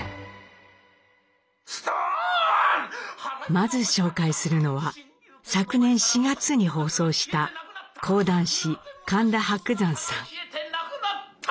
まず紹介するのは昨年４月に放送した講談師神田伯山さん。